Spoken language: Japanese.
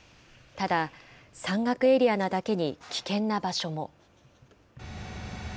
ただ、山岳エリアなだけに、危険な場所も。